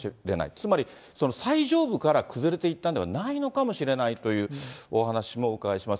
つまり最上部から崩れていったんではないのかもしれないというお話もお伺いします。